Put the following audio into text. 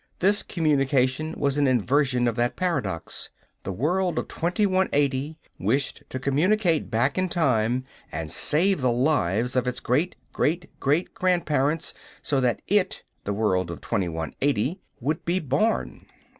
This communication was an inversion of that paradox. The world of 2180 wished to communicate back in time and save the lives of its great great great grandparents so that it the world of 2180 would be born.